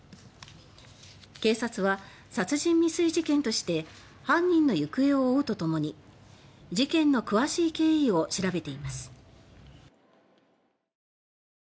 警察は、殺人未遂事件として犯人の行方を追うとともに事件の詳しい経緯を調べています。